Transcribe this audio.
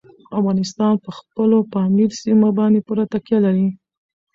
افغانستان په خپلو پامیر سیمو باندې پوره تکیه لري.